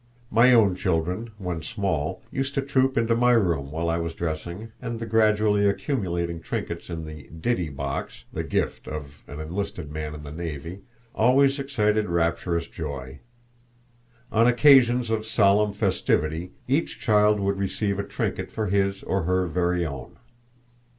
My own children, when small, used to troop into my room while I was dressing, and the gradually accumulating trinkets in the "ditty box" the gift of an enlisted man in the navy always excited rapturous joy. On occasions of solemn festivity each child would receive a trinket for his or her "very own."